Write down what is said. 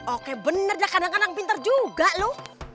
oke bener kan kanang kanang pinter juga lu